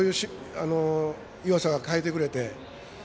岩佐が変えてくれて。